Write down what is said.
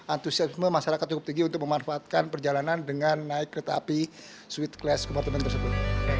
antusiasme masyarakat cukup tinggi untuk memanfaatkan perjalanan dengan naik kereta api sweet class departemen tersebut